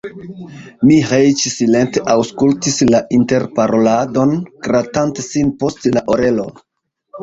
Miĥeiĉ silente aŭskultis la interparoladon, gratante sin post la orelo.